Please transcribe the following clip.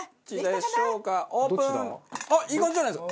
あっいい感じじゃないですか！